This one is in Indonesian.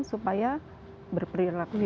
supaya berperilaku hidup bersih dan sehat